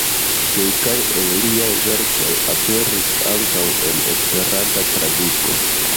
Kelkaj el liaj verkoj aperis ankaŭ en Esperanta traduko.